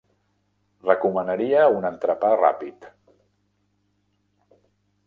Recomanaria un entrepà ràpid.